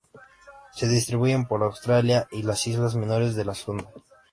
Se distribuyen por Australia y las islas menores de la Sonda.